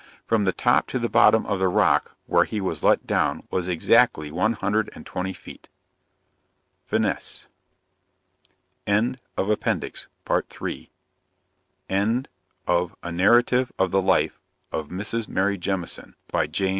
From the top to the bottom of the rock, where he was let down, was exactly one hundred and twenty feet. FINIS End of the Project Gutenberg EBook of A Narrative of the Life of Mrs. Mary Jemison, by James E.